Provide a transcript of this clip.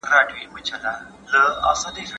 د سياسي پوهي لوړول د ځوانانو ستره دنده ده.